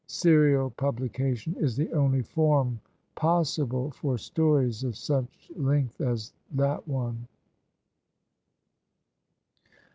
Serial publication is the only form possible for stories of such length as that one."